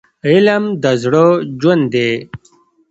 علم د زړه ژوند دی.